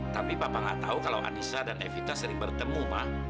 tapi papa gak tahu kalau anissa dan evita sering bertemu pak